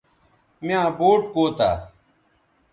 میاں بوٹ کوتہ